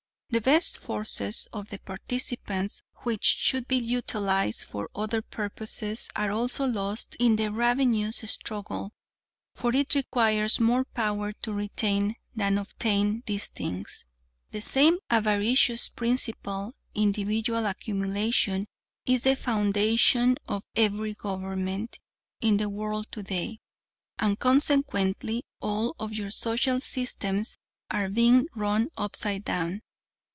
The best forces of the participants, which should be utilized for other purposes are also lost in the ravenous struggle, for it requires more power to retain than obtain these things. "The same avaricious principal individual accumulation is the foundation of every government in the world today, and consequently all of your social systems are being run upside down.